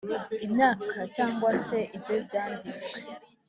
imyaka cyangwase ibyo byanditswe